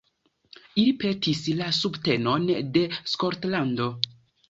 Ili petis la subtenon de Skotlando.